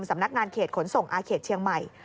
สำนักงานเขตขนส่งอาเขตเชียงใหม่